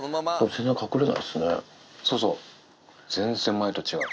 全然前と違う。